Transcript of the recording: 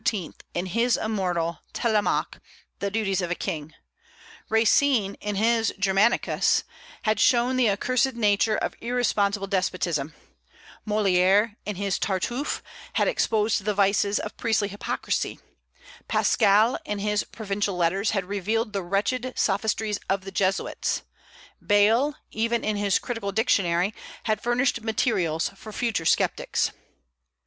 in his immortal 'Télémaque,' the duties of a king; Racine, in his 'Germanicus,' had shown the accursed nature of irresponsible despotism; Molière, in his 'Tartuffe,' had exposed the vices of priestly hypocrisy; Pascal, in his 'Provincial Letters,' had revealed the wretched sophistries of the Jesuits; Bayle even, in his 'Critical Dictionary,' had furnished materials for future sceptics."